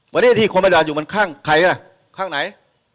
วันนี้ที่คนปฏิบัติอยู่มันข้างใครข้างไหน